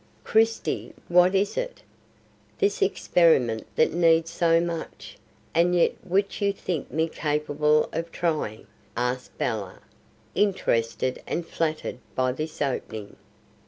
"Christie, what is it? this experiment that needs so much, and yet which you think me capable of trying?" asked Bella, interested and flattered by this opening.